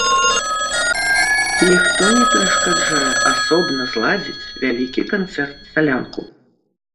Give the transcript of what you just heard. Ніхто не перашкаджае асобна зладзіць вялікі канцэрт-салянку.